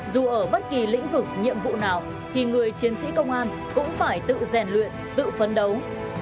dù ở bất kỳ lĩnh vực nhiệm vụ nào thì người chiến sĩ công an cũng phải tự rèn luyện tự phấn đấu